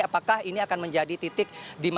apakah ini akan menjadi tindakan yang lebih besar